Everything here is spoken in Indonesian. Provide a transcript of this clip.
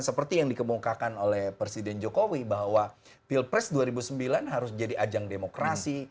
seperti yang dikemukakan oleh presiden jokowi bahwa pilpres dua ribu sembilan harus jadi ajang demokrasi